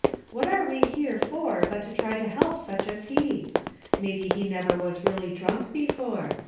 What are we here for but to try to help such as he? Maybe he never was really drunk before.